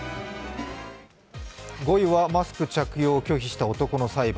５位はマスク着用を拒否した男の裁判。